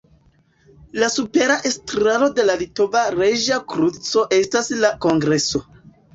La supera estraro de la Litova Ruĝa Kruco estas la kongreso.